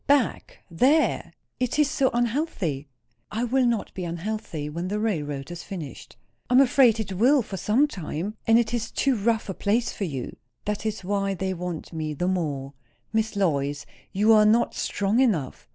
"Back! There? It is too unhealthy." "It will not be unhealthy, when the railroad is finished." "I am afraid it will, for some time. And it is too rough a place for you." "That is why they want me the more." "Miss Lois, you are not strong enough."